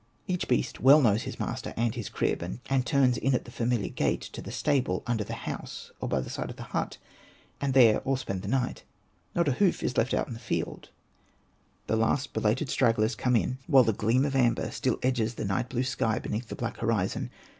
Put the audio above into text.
Each beast well knows his master and his crib, and turns in at the familiar gate to the stable under the house, or by the side of the hut ; and there all spend the night. Not a hoof is left out in the field ; the last belated stragglers come in Hosted by Google REMARKS 71 while the gleam of amber still edges the night blue sky behind the black horizon.